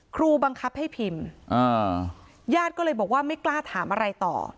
ครูบังคับให้พิมพ์ญาติก็เลยบอกว่าไม่กล้าถามอะไรต่อ